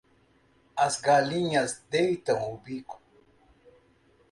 As galinhas deitam o bico.